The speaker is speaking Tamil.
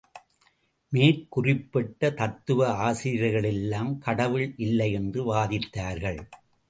மேற்குறிப்பிட்ட தத்துவ ஆசிரியர்களெல்லாம் கடவுள் இல்லை என்று வாதித்தார்கள்?